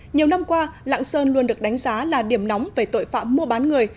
nhiều năm qua lạng sơn luôn được đánh giá là điểm nóng về tội phạm mua bán người